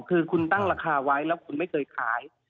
คือคุณตั้งราคาไว้แล้วคุณไม่เคยขาย